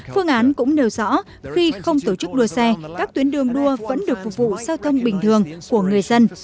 phương án cũng nêu rõ khi không tổ chức đua xe các tuyến đường đua vẫn được phục vụ giao thông bình thường của người dân